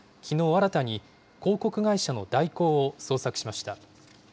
新たに、広告会社の大広を捜索しました。